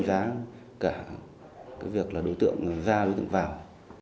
chúng tôi cũng không biết được là đối tượng ra đối tượng vào